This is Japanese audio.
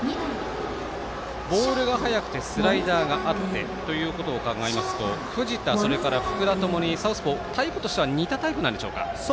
ボールが速くてスライダーがあってということを考えますと藤田、それから福田ともにタイプとしては似たタイプなんでしょうか。